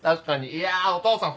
いやお義父さん